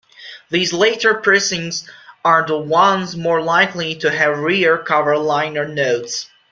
These later pressings are the ones more likely to have rear cover liner notes.